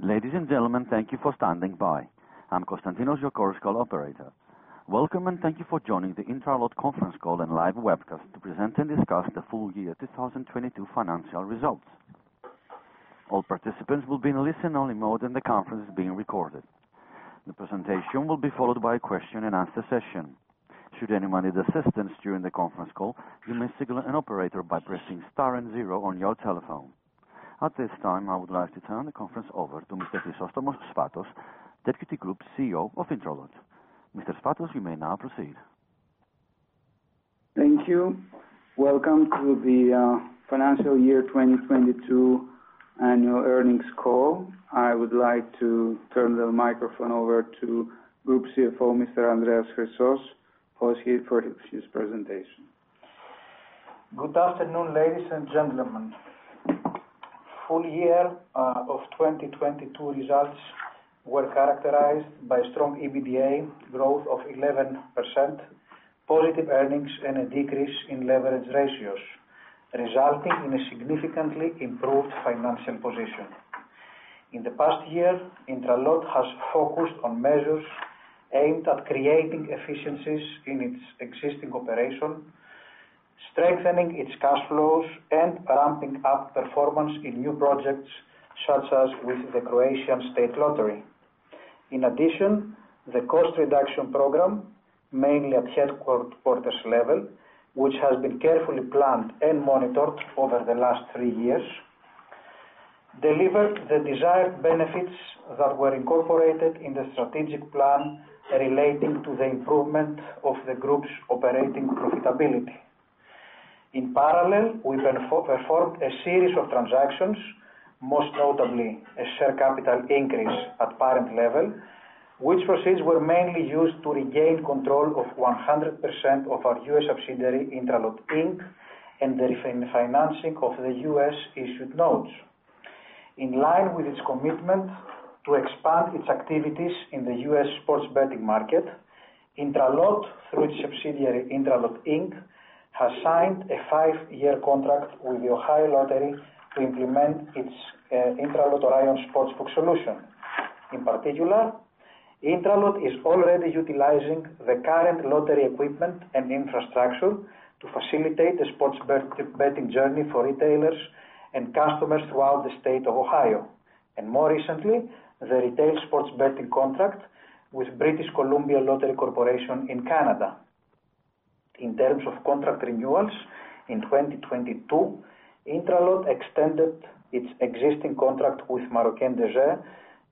Ladies and gentlemen, thank you for standing by. I'm Constantinos, your Chorus Call operator. Welcome, thank you for joining the Intralot conference call and live webcast to present and discuss the full year 2022 financial results. All participants will be in listen-only mode, and the conference is being recorded. The presentation will be followed by a question-and-answer session. Should anyone need assistance during the conference call, you may signal an operator by pressing star and zero on your telephone. At this time, I would like to turn the conference over to Mr. Chrysostomos Sfatos, Deputy Group CEO of Intralot. Mr. Sfatos, you may now proceed. Thank you. Welcome to the financial year 2022 annual earnings call. I would like to turn the microphone over to Group CFO, Mr. Andreas Chrysos, who is here for his presentation. Good afternoon, ladies and gentlemen. Full year of 2022 results were characterized by strong EBITDA growth of 11%, positive earnings, and a decrease in leverage ratios, resulting in a significantly improved financial position. In the past year, Intralot has focused on measures aimed at creating efficiencies in its existing operation, strengthening its cash flows, and ramping up performance in new projects, such as with the Croatian State Lottery. In addition, the cost reduction program, mainly at headquarters level, which has been carefully planned and monitored over the last 3 years, delivered the desired benefits that were incorporated in the strategic plan relating to the improvement of the group's operating profitability. In parallel, we performed a series of transactions, most notably a share capital increase at parent level, which proceeds were mainly used to regain control of 100% of our U.S. subsidiary, INTRALOT, Inc., and the refinancing of the U.S.-issued notes. In line with its commitment to expand its activities in the U.S. sports betting market, Intralot, through its subsidiary, INTRALOT, Inc., has signed a 5-year contract with the Ohio Lottery to implement its INTRALOT Orion Sportsbook solution. In particular, Intralot is already utilizing the current lottery equipment and infrastructure to facilitate the sports betting journey for retailers and customers throughout the state of Ohio, and more recently, the retail sports betting contract with British Columbia Lottery Corporation in Canada. In terms of contract renewals in 2022, Intralot extended its existing contract with Marocaine des Jeux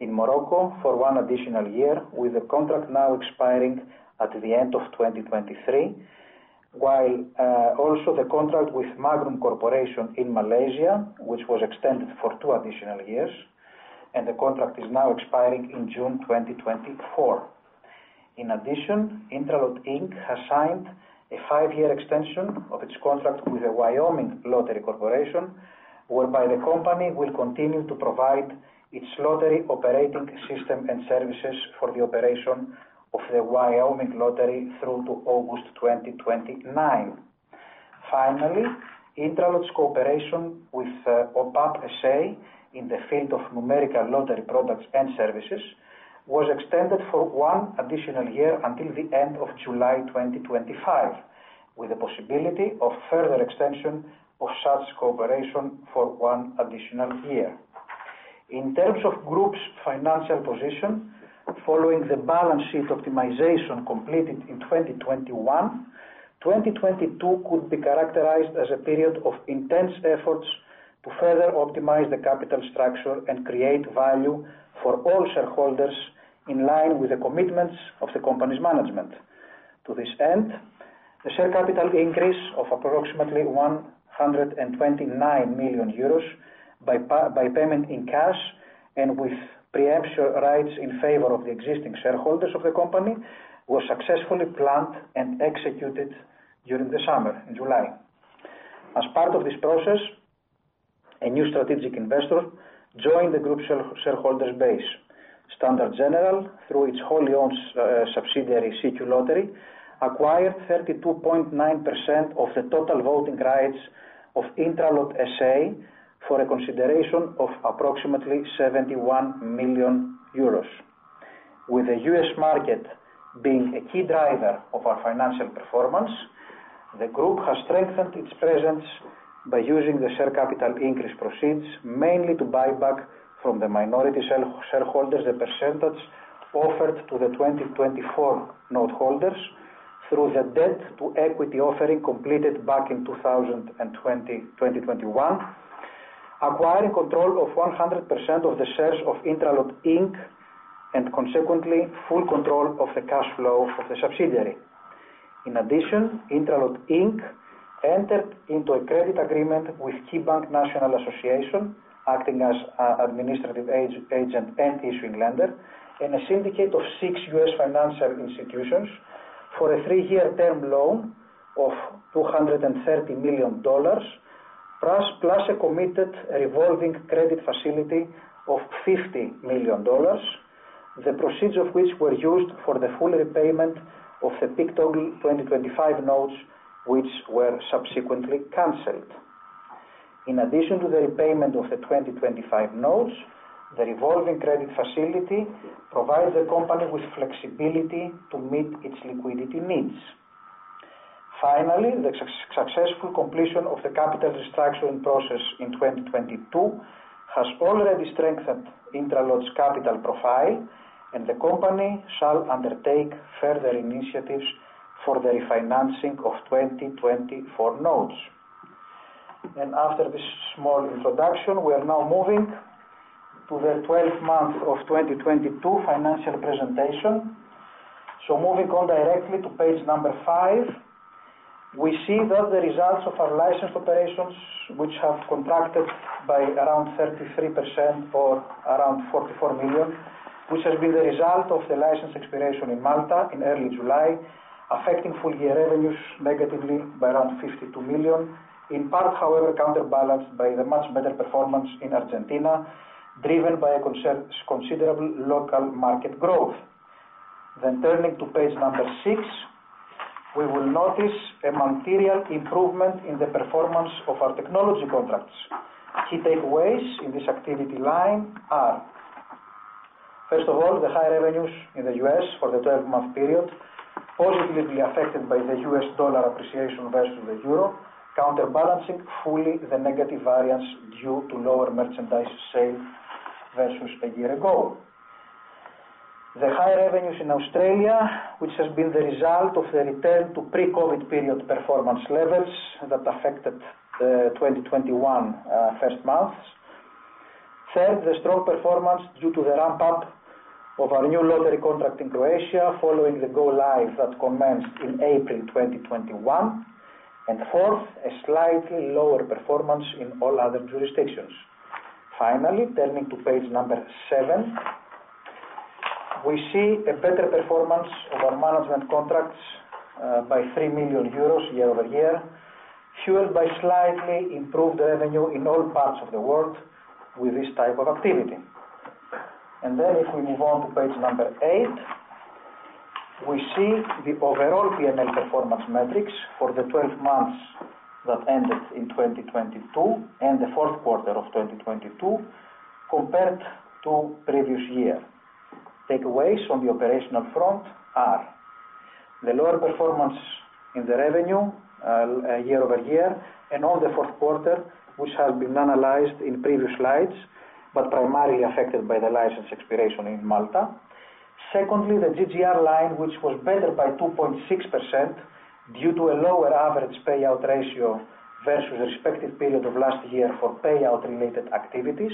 in Morocco for one additional year, with the contract now expiring at the end of 2023. While, also the contract with Magnum Corporation in Malaysia, which was extended for 2 additional years, and the contract is now expiring in June 2024. In addition, INTRALOT, Inc. has signed a five-year extension of its contract with the Wyoming Lottery Corporation, whereby the company will continue to provide its lottery operating system and services for the operation of the Wyoming Lottery through to August 2029. Finally, Intralot's cooperation with OPAP S.A. in the field of numerical lottery products and services was extended for one additional year until the end of July 2025, with the possibility of further extension of such cooperation for 1 additional year. In terms of group's financial position, following the balance sheet optimization completed in 2021, 2022 could be characterized as a period of intense efforts to further optimize the capital structure and create value for all shareholders in line with the commitments of the company's management. To this end, the share capital increase of approximately 129 million euros by payment in cash and with pre-emption rights in favor of the existing shareholders of the company, was successfully planned and executed during the summer, in July. As part of this process, a new strategic investor joined the group's shareholders' base. Standard General, through its wholly owned subsidiary, CQ Lottery, acquired 32.9% of the total voting rights of INTRALOT S.A. for a consideration of approximately 71 million euros. With the U.S. market being a key driver of our financial performance, the group has strengthened its presence by using the share capital increase proceeds mainly to buy back from the minority shareholders the percentage offered to the 2024 note holders through the debt-to-equity exchange completed back in 2020, 2021, acquiring control of 100% of the shares of Intralot Inc. and consequently full control of the cash flow of the subsidiary. In addition, Intralot Inc. entered into a credit agreement with KeyBank National Association, acting as an administrative agent and issuing lender, and a syndicate of six U.S. financial institutions for a three-year term loan of $230 million, plus a committed revolving credit facility of $50 million. The procedure of which were used for the full repayment of the PIK Toggle 2025 notes, which were subsequently canceled. In addition to the repayment of the 2025 notes, the revolving credit facility provides the company with flexibility to meet its liquidity needs. Finally, the successful completion of the capital restructuring process in 2022 has already strengthened INTRALOT's capital profile. The company shall undertake further initiatives for the refinancing of 2024 notes. After this small introduction, we are now moving to the 12 months of 2022 financial presentation. Moving on directly to page number 5, we see that the results of our licensed operations, which have contracted by around 33% or around 44 million, which has been the result of the license expiration in Malta in early July, affecting full year revenues negatively by around 52 million. In part, however, counterbalanced by the much better performance in Argentina, driven by a considerable local market growth. Turning to page number 6, we will notice a material improvement in the performance of our technology contracts. Key takeaways in this activity line are, first of all, the high revenues in the U.S. for the 12-month period, positively affected by the U.S. dollar appreciation versus the euro, counterbalancing fully the negative variance due to lower merchandise sale versus a year ago. The high revenues in Australia, which has been the result of the return to pre-COVID period performance levels that affected the 2021 first months. Third, the strong performance due to the ramp-up of our new lottery contract in Croatia following the go live that commenced in April 2021. Fourth, a slightly lower performance in all other jurisdictions. Finally, turning to page 7, we see a better performance of our management contracts, by 3 million euros year-over-year, fueled by slightly improved revenue in all parts of the world with this type of activity. If we move on to page 8, we see the overall P&L performance metrics for the 12 months that ended in 2022 and the fourth quarter of 2022 compared to previous year. Takeaways on the operational front are: the lower performance in the revenue, year-over-year and on the fourth quarter, which has been analyzed in previous slides, but primarily affected by the license expiration in Malta. Secondly, the GGR line, which was better by 2.6% due to a lower average payout ratio versus respective period of last year for payout-related activities,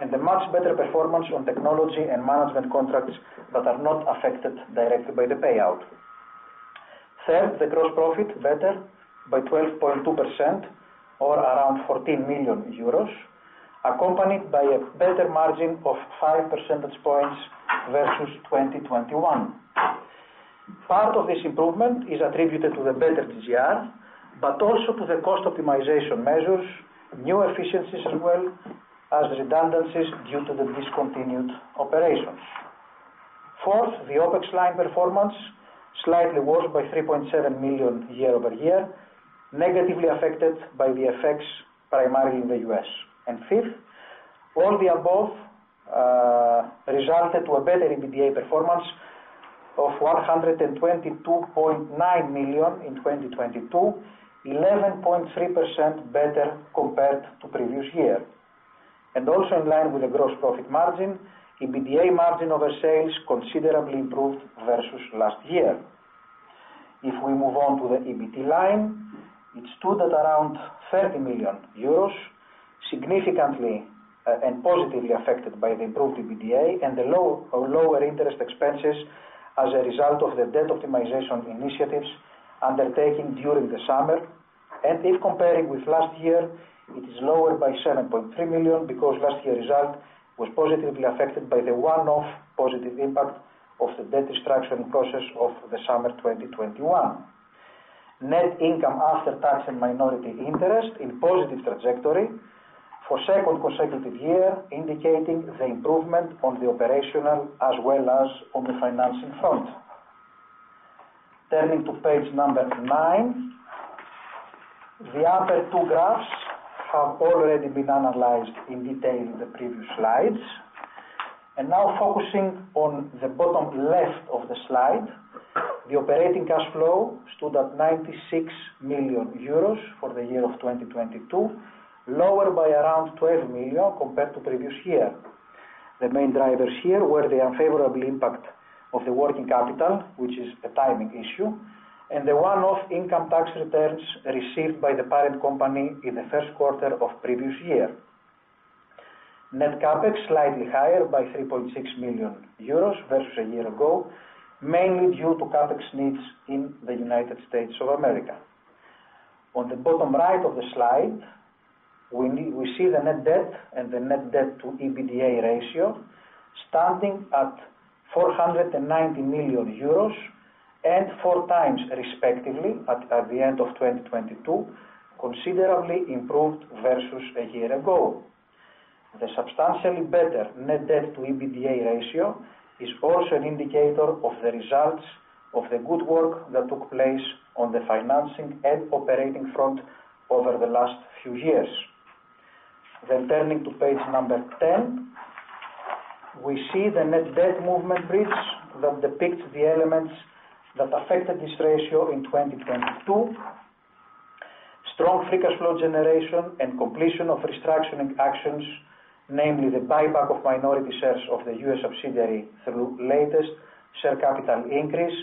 and a much better performance on technology and management contracts that are not affected directly by the payout. Third, the gross profit better by 12.2% or around 14 million euros, accompanied by a better margin of 5 percentage points versus 2021. Part of this improvement is attributed to the better GGR, but also to the cost optimization measures, new efficiencies as well as redundancies due to the discontinued operations. Fourth, the OpEx line performance slightly worse by 3.7 million year-over-year, negatively affected by the effects primarily in the U.S. Fifth, all the above resulted in a better EBITDA performance of 122.9 million in 2022, 11.3% better compared to previous year. In line with the gross profit margin, EBITDA margin over sales considerably improved versus last year. If we move on to the EBT line, it stood at around 30 million euros, significantly and positively affected by the improved EBITDA and the lower interest expenses as a result of the debt optimization initiatives undertaken during the summer. If comparing with last year, it is lower by 7.3 million because last year's result was positively affected by the one-off positive impact of the debt restructuring process of the summer 2021. Net income after tax and minority interest in positive trajectory for second consecutive year, indicating the improvement on the operational as well as on the financing front. Turning to page number nine, the other two graphs have already been analyzed in detail in the previous slides. Focusing on the bottom left of the slide, the operating cash flow stood at 96 million euros for the year of 2022, lower by around 12 million compared to previous year. The main drivers here were the unfavorable impact of the working capital, which is a timing issue, and the one-off income tax returns received by the parent company in the first quarter of previous year. Net CapEx slightly higher by 3.6 million euros versus a year ago, mainly due to CapEx needs in the United States of America. On the bottom right of the slide, we see the net debt and the net debt to EBITDA ratio standing at 490 million euros and 4.0x respectively at the end of 2022, considerably improved versus a year ago. The substantially better net debt to EBITDA ratio is also an indicator of the results of the good work that took place on the financing and operating front over the last few years. Turning to page number 10, we see the net debt movement bridge that depicts the elements that affected this ratio in 2022. Strong free cash flow generation and completion of restructuring actions, namely the buyback of minority shares of the U.S. subsidiary through latest share capital increase,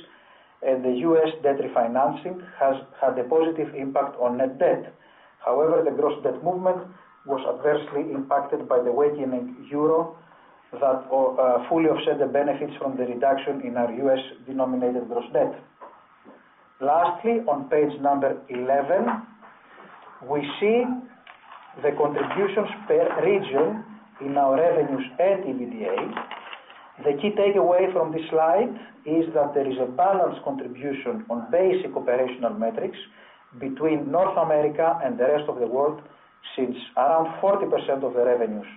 and the U.S. debt refinancing have had a positive impact on net debt. The gross debt movement was adversely impacted by the weakening euro that fully offset the benefits from the reduction in our U.S.-denominated gross debt. Lastly, on page number 11, we see the contributions per region in our revenues and EBITDA. The key takeaway from this slide is that there is a balanced contribution on basic operational metrics between North America and the rest of the world, since around 40% of the revenues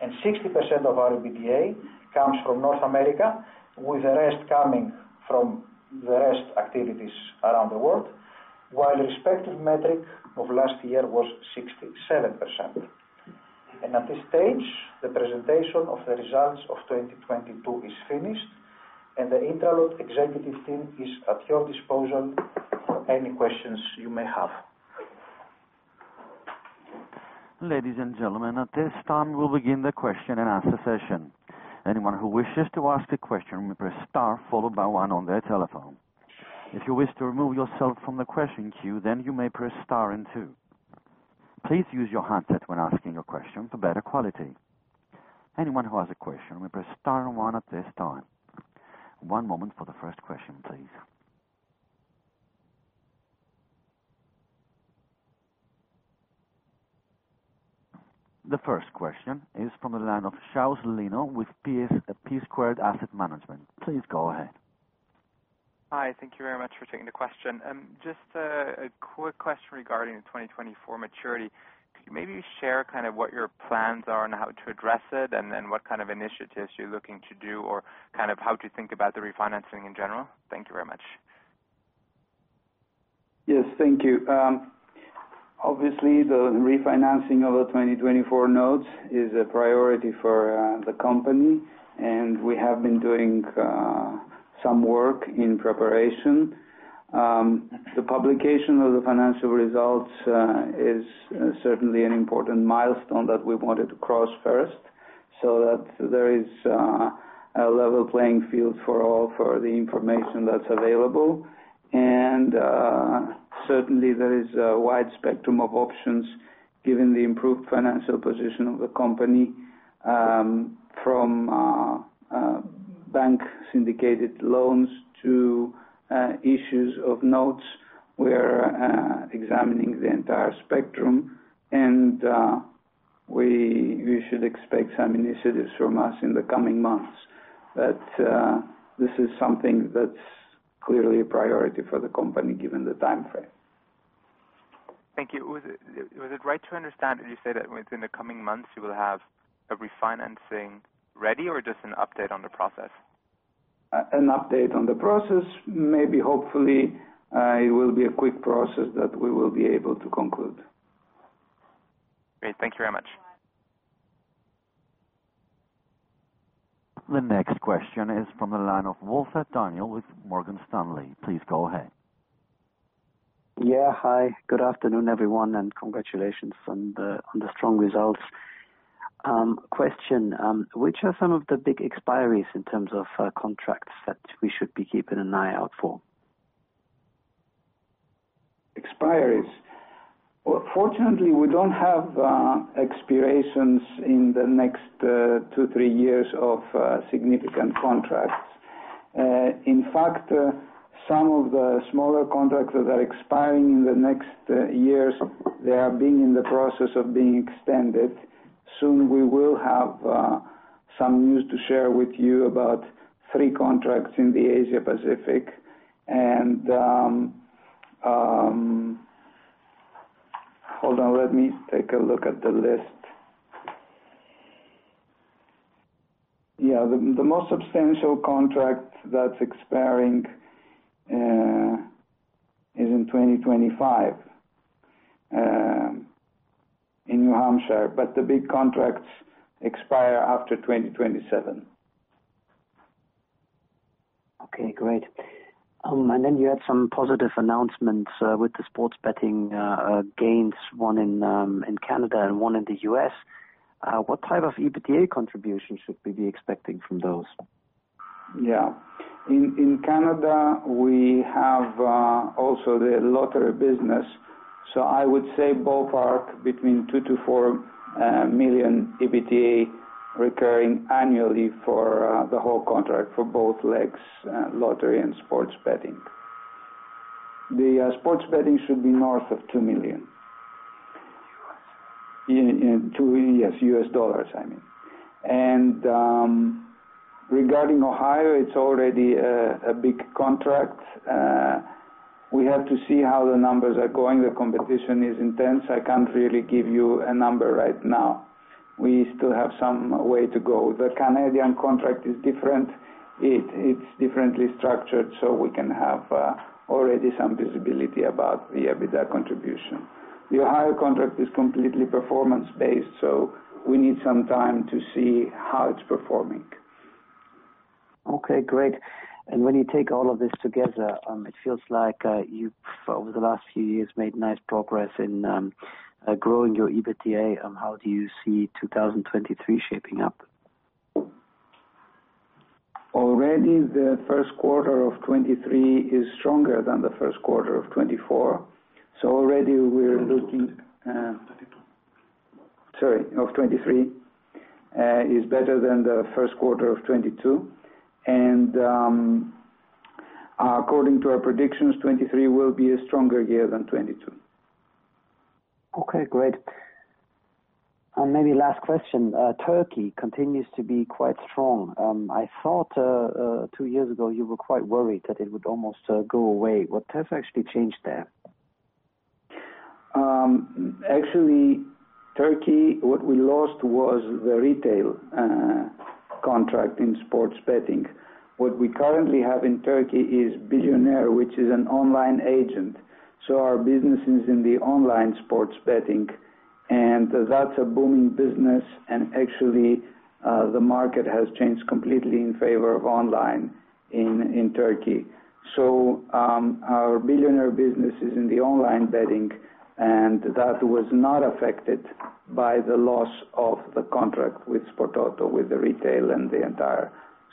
and 60% of our EBITDA comes from North America, with the rest coming from the rest activities around the world, while respective metric of last year was 67%. At this stage, the presentation of the results of 2022 is finished, and the Intralot executive team is at your disposal for any questions you may have. Ladies and gentlemen, at this time, we'll begin the question and answer session. Anyone who wishes to ask a question may press star followed by one on their telephone. If you wish to remove yourself from the question queue, you may press star and two. Please use your headset when asking a question for better quality. Anyone who has a question may press star and one at this time. One moment for the first question, please. The first question is from the line of Lino Schaus with P Squared Asset Management. Please go ahead. Hi. Thank you very much for taking the question. Just a quick question regarding the 2024 maturity. Could you maybe share kind of what your plans are on how to address it and what kind of initiatives you're looking to do or kind of how to think about the refinancing in general? Thank you very much. Yes, thank you. Obviously, the refinancing of the 2024 notes is a priority for the company, and we have been doing some work in preparation. The publication of the financial results is certainly an important milestone that we wanted to cross first so that there is a level playing field for all, for the information that's available. Certainly there is a wide spectrum of options given the improved financial position of the company, from bank syndicated loans to issues of notes. We're examining the entire spectrum. You should expect some initiatives from us in the coming months. This is something that's clearly a priority for the company, given the timeframe. Thank you. Was it right to understand when you say that within the coming months you will have a refinancing ready or just an update on the process? An update on the process. Maybe hopefully, it will be a quick process that we will be able to conclude. Great. Thank you very much. The next question is from the line of Daniele Walter with Morgan Stanley. Please go ahead. Yeah. Hi. Good afternoon, everyone, and congratulations on the, on the strong results. Question, which are some of the big expiries in terms of contracts that we should be keeping an eye out for? Fortunately, we don't have expirations in the next two, three years of significant contracts. In fact, some of the smaller contracts that are expiring in the next years, they are being in the process of being extended. Soon we will have some news to share with you about three contracts in the Asia Pacific. Hold on, let me take a look at the list. The most substantial contract that's expiring is in 2025 in New Hampshire, but the big contracts expire after 2027. Okay, great. you had some positive announcements with the sports betting gains, one in Canada and one in the U.S.. What type of EBITDA contribution should we be expecting from those? In Canada, we have also the lottery business. I would say ballpark between 2-4 million EBITDA recurring annually for the whole contract for both legs, lottery and sports betting. The sports betting should be north of $2 million. In two years, I mean. Regarding Ohio, it's already a big contract. We have to see how the numbers are going. The competition is intense. I can't really give you a number right now. We still have some way to go. The Canadian contract is different. It's differently structured, so we can have already some visibility about the EBITDA contribution. The Ohio contract is completely performance-based, so we need some time to see how it's performing. Okay, great. When you take all of this together, it feels like you've over the last few years made nice progress in growing your EBITDA. How do you see 2023 shaping up? Already the first quarter of 2023 is stronger than the first quarter of 2024. Already we're looking. 2022. Sorry, of 2023, is better than the first quarter of 2022. According to our predictions, 2023 will be a stronger year than 2022. Okay, great. Maybe last question. Turkey continues to be quite strong. I thought, two years ago you were quite worried that it would almost go away. What has actually changed there? Actually Turkey, what we lost was the retail contract in sports betting. What we currently have in Turkey is Bilyoner, which is an online agent. Our business is in the online sports betting, and that's a booming business. Actually, the market has changed completely in favor of online in Turkey. Our Bilyoner business is in the online betting, and that was not affected by the loss of the contract with Spor Toto, with the retail and the entire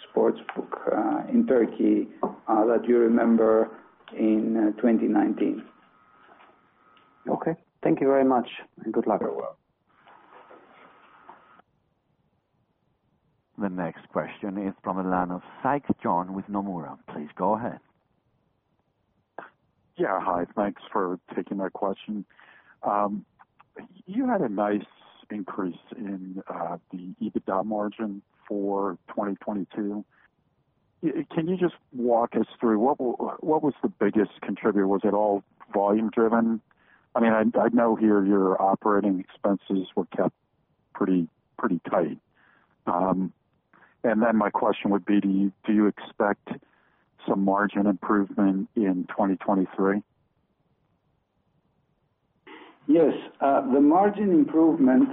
sportsbook in Turkey that you remember in 2019. Okay. Thank you very much, and good luck. You're welcome. The next question is from the line of John Sykes with Nomura. Please go ahead. Yeah, hi. Thanks for taking my question. You had a nice increase in the EBITDA margin for 2022. Can you just walk us through what was the biggest contributor? Was it all volume driven? I mean, I know here your operating expenses were kept pretty tight. My question would be, do you expect some margin improvement in 2023? Yes. The margin improvement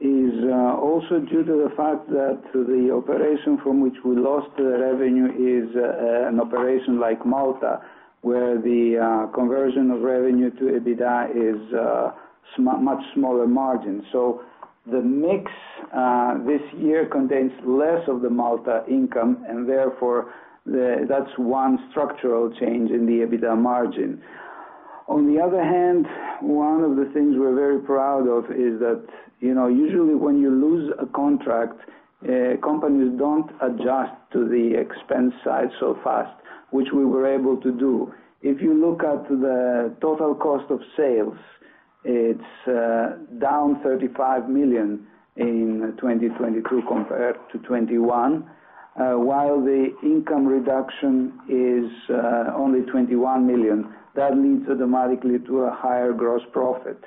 is also due to the fact that the operation from which we lost the revenue is an operation like Malta, where the conversion of revenue to EBITDA is much smaller margin. The mix this year contains less of the Malta income, that's one structural change in the EBITDA margin. On the other hand, one of the things we're very proud of is that, you know, usually when you lose a contract, companies don't adjust to the expense side so fast, which we were able to do. If you look at the total cost of sales, it's down 35 million in 2022 compared to 2021. While the income reduction is only 21 million, that leads automatically to a higher gross profit.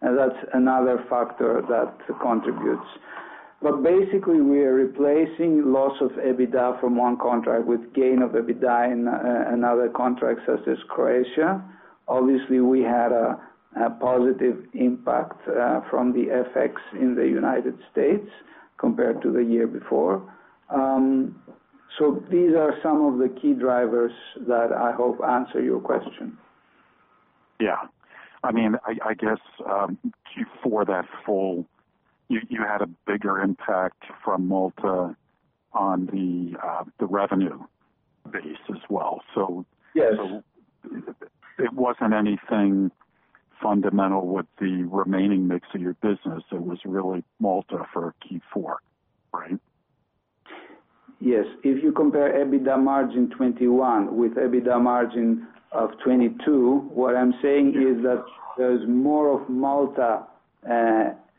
That's another factor that contributes. Basically, we are replacing loss of EBITDA from one contract with gain of EBITDA in other contracts such as Croatia. Obviously, we had a positive impact from the FX in the United States compared to the year before. These are some of the key drivers that I hope answer your question. Yeah. I mean, I guess, Q4, you had a bigger impact from Malta on the revenue base as well. Yes. It wasn't anything fundamental with the remaining mix of your business. It was really Malta for Q4, right? Yes. If you compare EBITDA margin 2021 with EBITDA margin of 2022, what I'm saying is that there's more of Malta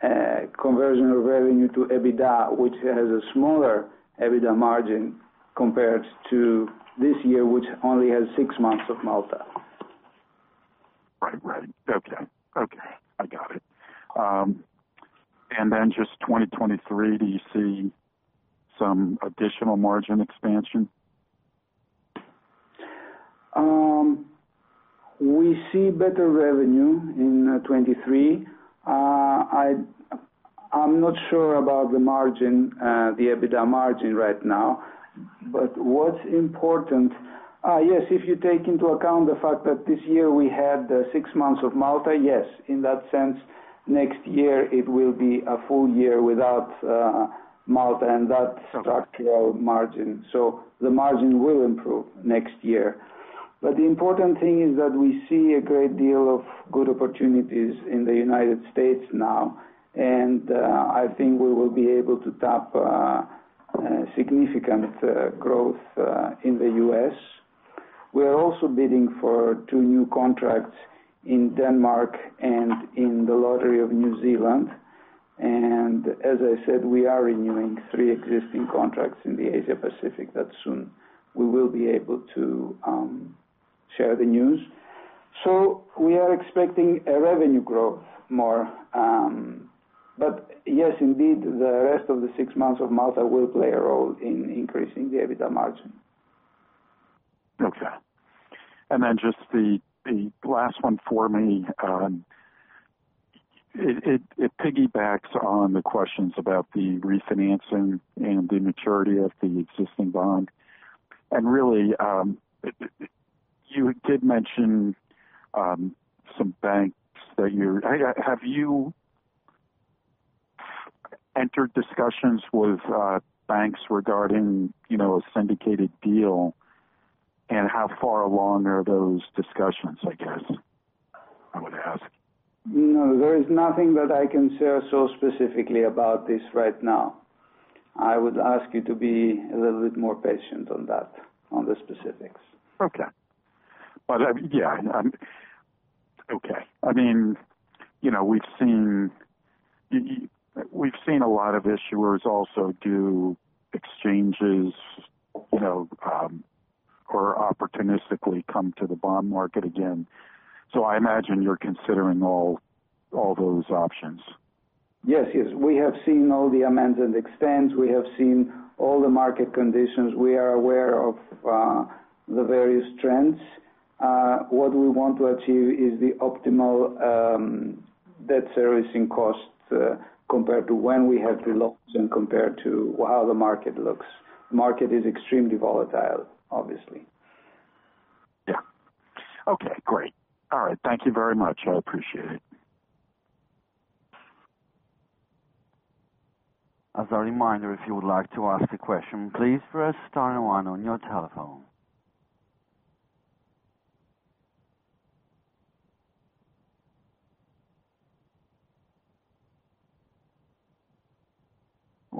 conversion of revenue to EBITDA, which has a smaller EBITDA margin compared to this year, which only has six months of Malta. Right. Okay. I got it. Then just 2023, do you see some additional margin expansion? We see better revenue in 2023. I'm not sure about the margin, the EBITDA margin right now. What's important. Yes, if you take into account the fact that this year we had 6 months of Malta, yes. In that sense, next year it will be a full year without Malta and that structural margin. The margin will improve next year. The important thing is that we see a great deal of good opportunities in the United States now. I think we will be able to tap significant growth in the U.S.. We are also bidding for 2 new contracts in Denmark and in the lottery of New Zealand. As I said, we are renewing 3 existing contracts in the Asia Pacific that soon we will be able to share the news. We are expecting a revenue growth more. Yes, indeed, the rest of the six months of Malta will play a role in increasing the EBITDA margin. Just the last one for me. It piggybacks on the questions about the refinancing and the maturity of the existing bond. Really, you did mention some banks. Have you entered discussions with banks regarding, you know, a syndicated deal? How far along are those discussions, I guess, I would ask. No, there is nothing that I can share so specifically about this right now. I would ask you to be a little bit more patient on that, on the specifics. Okay. Yeah, I'm Okay. I mean, you know, we've seen a lot of issuers also do exchanges, you know, or opportunistically come to the bond market again. I imagine you're considering all those options. Yes. Yes. We have seen all the amend and extend. We have seen all the market conditions. We are aware of the various trends. What we want to achieve is the optimal debt servicing costs compared to when we had the loans and compared to how the market looks. Market is extremely volatile, obviously. Yeah. Okay, great. All right. Thank you very much. I appreciate it. As a reminder, if you would like to ask a question, please press star one on your telephone.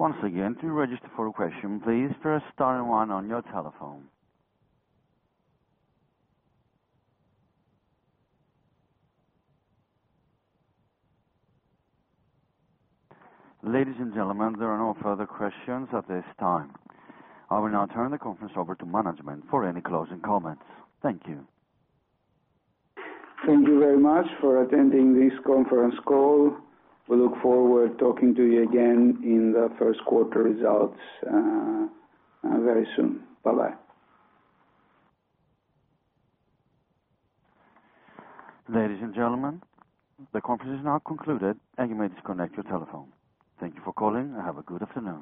Once again, to register for a question, please press star one on your telephone. Ladies and gentlemen, there are no further questions at this time. I will now turn the conference over to management for any closing comments. Thank you. Thank you very much for attending this conference call. We look forward talking to you again in the first quarter results, very soon. Bye-bye. Ladies and gentlemen, the conference is now concluded and you may disconnect your telephone. Thank you for calling and have a good afternoon.